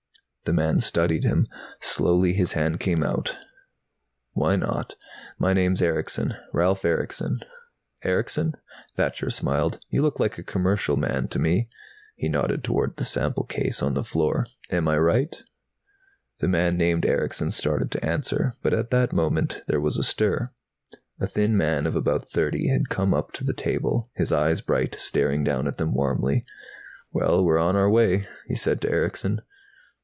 The man studied him. Slowly his hand came out. "Why not? My name's Erickson. Ralf Erickson." "Erickson?" Thacher smiled. "You look like a commercial man, to me." He nodded toward the sample case on the floor. "Am I right?" The man named Erickson started to answer, but at that moment there was a stir. A thin man of about thirty had come up to the table, his eyes bright, staring down at them warmly. "Well, we're on our way," he said to Erickson.